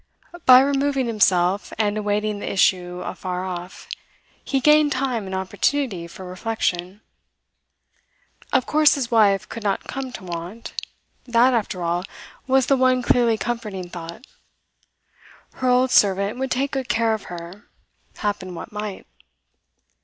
By removing himself, and awaiting the issue afar off, he gained time and opportunity for reflection. Of course his wife could not come to want; that, after all, was the one clearly comforting thought. Her old servant would take good care of her, happen what might.